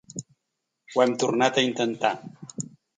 Ho hem tornat a intentar.